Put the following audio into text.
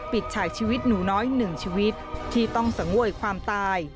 ปิดฉากชีวิตหนูน้อย๑ชีวิตที่ต้องสง่วยความตาย